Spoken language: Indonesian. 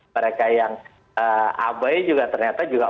mereka yang abai juga ternyata juga